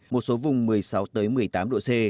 một số vùng một mươi sáu một mươi tám độ c